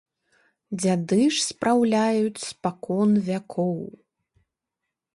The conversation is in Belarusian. Дзяды ж спраўляюць спакон вякоў.